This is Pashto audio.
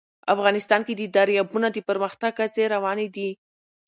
افغانستان کې د دریابونه د پرمختګ هڅې روانې دي.